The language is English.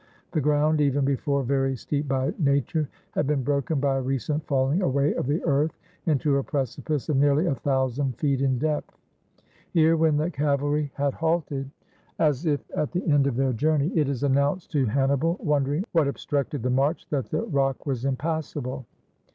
The ground, even before very steep by nature, had been broken by a recent falling away of the earth into a precipice of nearly a thou sand feet in depth. Here when the cavalry had halted, 346 HOW HANNIBAL MADE HIS WAY TO ITALY as if at the end of their journey, it is announced to Han nibal, wondering what obstructed the march, that the rock was impassable.